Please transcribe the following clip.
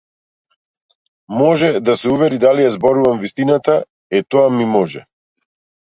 Може да се увери дали ја зборувам вистината, е тоа ми може.